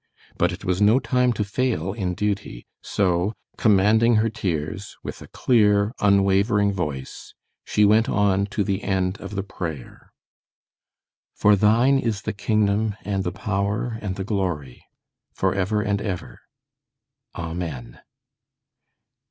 But it was no time to fail in duty, so, commanding her tears, with a clear, unwavering voice she went on to the end of the prayer "For thine is the kingdom and the power and the glory, forever and ever. Amen."